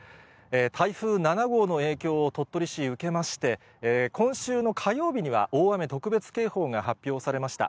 台風７号の影響を鳥取市受けまして、今週の火曜日には大雨特別警報が発表されました。